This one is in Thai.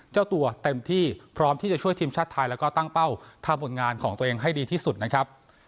เจ้าตัวเต็มที่พร้อมที่จะช่วยทีมชาติไทยแล้วก็ตั้งเป้าทำผลงานของตัวเองให้ดีที่สุดนะครับ